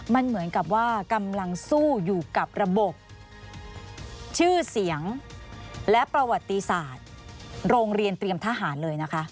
มันเหมือนกับว่ากำลังสู้อยู่กับระบบชื่อเสียงและประวัติศาสตร์โรงเรียนเตรียมทหารเลยนะคะ